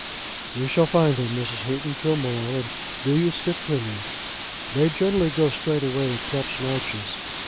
"We shall find him, Mrs. Houghton, to a moral; and do you stick to me. They generally go straight away to Thrupp's larches.